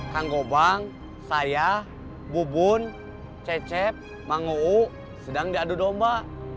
kang gobang saya bubun cecep manguu sedang diadu domba